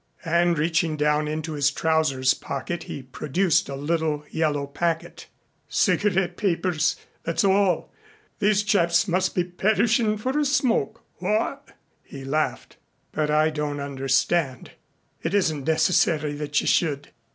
And reaching down into his trousers pocket he produced a little yellow packet. "Cigarette papers, that's all. These chaps must be perishin' for a smoke. What?" he laughed. "But I don't understand." "It isn't necessary that you should.